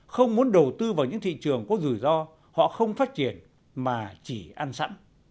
không muốn đầu tư vào những thị trường có rủi ro họ không phát triển mà chỉ ăn sẵn